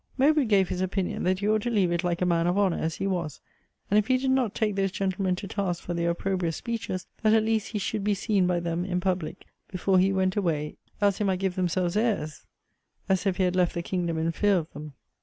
Mowbray gave his opinion, that he ought to leave it like a man of honour as he was; and if he did not take those gentlemen to task for their opprobrious speeches, that at least he should be seen by them in public before he went away; else they might give themselves airs, as if he had left the kingdom in fear of them.